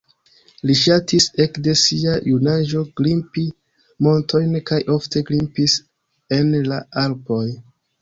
Li ŝatis ekde sia junaĝo grimpi montojn kaj ofte grimpis en la Alpoj.